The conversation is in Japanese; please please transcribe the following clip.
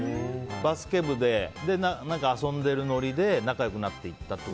バスケ部でで、遊んでるノリで仲良くなっていったんだ。